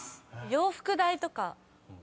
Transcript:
「洋服代」とか。